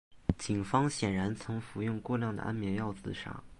警方显然曾服用过量的安眠药自杀。